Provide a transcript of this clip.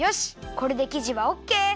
これできじはオッケー！